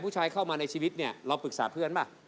ผู้ชายเข้ามาในชีวิตเราปรึกษาเพื่อนไหม